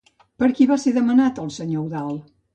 Per qui va ser demanat el senyor Eudald?